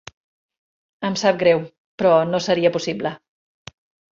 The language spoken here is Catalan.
Em sap greu, però no seria possible.